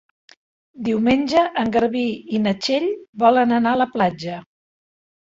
Diumenge en Garbí i na Txell volen anar a la platja.